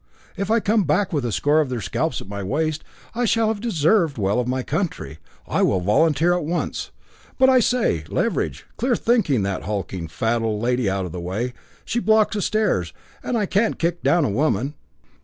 If I come back with a score of their scalps at my waist, I shall have deserved well of my country. I will volunteer at once. But I say, Leveridge clear that hulking, fat old landlady out of the way. She blocks the stairs, and I can't kick down a woman."